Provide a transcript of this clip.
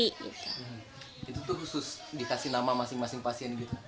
itu tuh khusus dikasih nama masing masing pasien gitu